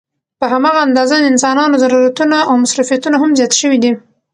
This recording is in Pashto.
په هماغه اندازه د انسانانو ضرورتونه او مصروفيتونه هم زيات شوي دي